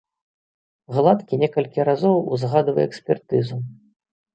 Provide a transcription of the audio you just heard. Гладкі некалькі разоў узгадвае экспертызу.